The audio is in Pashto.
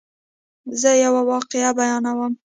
زه یوه واقعه بیانوم.